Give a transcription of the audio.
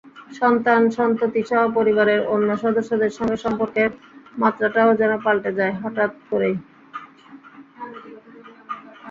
সন্তান-সন্ততিসহ পরিবারের অন্য সদস্যদের সঙ্গে সম্পর্কের মাত্রাটাও যেন পালটে যায় হঠাত্ করেই।